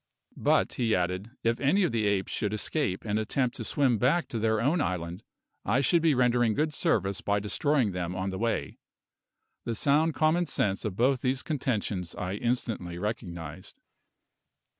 But, he added, if any of the apes should escape and attempt to swim back to their own island, I should be rendering good service by destroying them on the way. The sound common sense of both these contentions I instantly recognised.